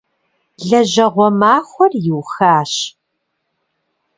Лэжьэгъуэ махуэр иухащ.